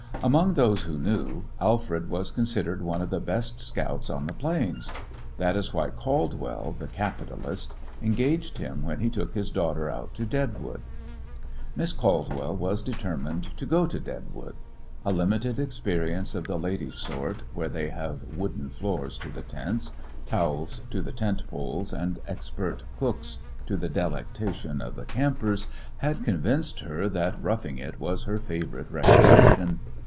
Among those who knew, Alfred was considered one of the best scouts on the plains. That is why Caldwell, the capitalist, engaged him when he took his daughter out to Deadwood. Miss Caldwell was determined to go to Deadwood. A limited experience of the lady's sort, where they have wooden floors to the tents, towels to the tent poles, and expert cooks to the delectation of the campers, had convinced her that "roughing it" was her favorite recreation.